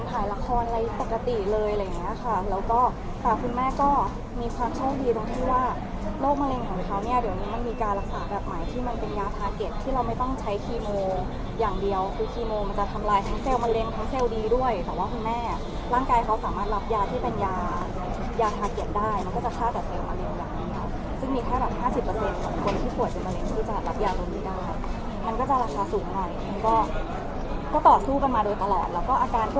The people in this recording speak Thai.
ถ่ายละครอะไรปกติเลยอะไรอย่างเงี้ยค่ะแล้วก็คุณแม่ก็มีความโชคดีตรงที่ว่าโรคมะเร็งของเขาเนี้ยเดี๋ยวมันมีการรักษาแบบใหม่ที่มันเป็นยาทาร์เก็ตที่เราไม่ต้องใช้คีโมอย่างเดียวคือคีโมมันจะทำลายทั้งเซลล์มะเร็งทั้งเซลล์ดีด้วยแต่ว่าคุณแม่อ่ะร่างกายเขาสามารถรับยาที่เป็นยายาทาร์เก็ตได้